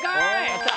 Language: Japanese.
やった。